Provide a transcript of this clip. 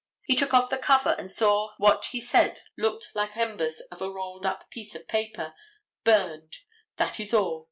He took off the cover and saw what he said looked like the embers of a rolled up piece of paper, burned, that is all.